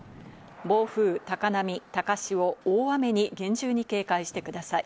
暴風、高波、高潮、大雨に厳重に警戒してください。